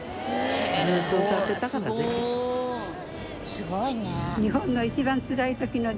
すごいね。